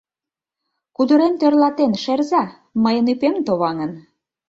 — Кудырем тӧрлатен шерза, мыйын ӱпем товаҥын...